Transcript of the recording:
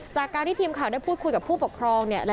จากการที่ทีมข่าวได้พูดคุยกับผู้ปกครองเนี่ย